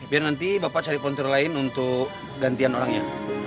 biar nanti bapak cari kontur lain untuk gantian orangnya